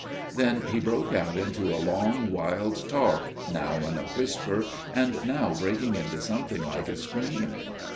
Then he broke out into a long wild talk, now in a whisper, and now breaking into something like a scream.